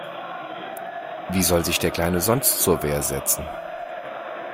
Wie soll sich der Kleine sonst zur Wehr setzen?